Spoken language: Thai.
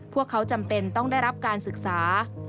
พวกเขาจำเป็นต้องได้รับการศึกษา